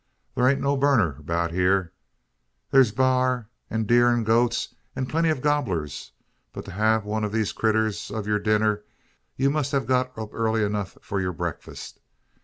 Thur ain't no burner 'bout hyur. Thur's baar, an deer, an goats, an plenty o' gobblers; but to hev one o' these critters for yur dinner, ye must git it urly enuf for yur breakfist.